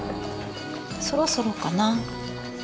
そろそろかな。